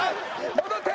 戻って！